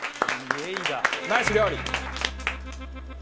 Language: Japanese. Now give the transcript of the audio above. ナイス料理！